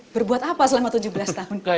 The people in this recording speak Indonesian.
berbuat apa selama tujuh belas tahun